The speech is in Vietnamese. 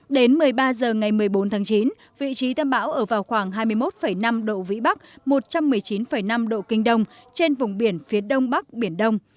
đến một mươi ba h ngày một mươi bốn tháng chín vị trí tâm bão ở vào khoảng hai mươi một năm độ vĩ bắc một trăm một mươi chín năm độ kinh đông trên vùng biển phía đông bắc biển đông